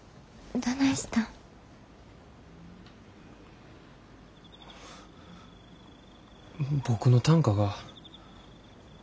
僕の短歌が。